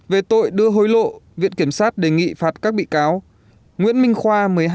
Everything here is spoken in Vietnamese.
về tội đưa hối lộ viện kiểm sát đề nghị phạt các bị cáo